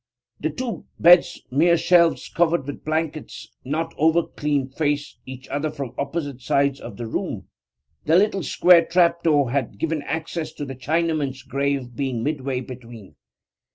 The two beds mere shelves covered with blankets not overclean faced each other from opposite sides of the room, the little square trap door that had given access to the Chinaman's grave being midway between.